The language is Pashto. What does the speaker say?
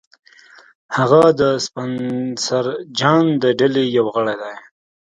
هغه د سپنسر جان د ډلې یو غړی دی